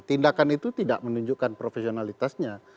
tindakan itu tidak menunjukkan profesionalitasnya